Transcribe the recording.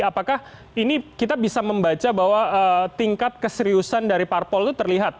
apakah ini kita bisa membaca bahwa tingkat keseriusan dari parpol itu terlihat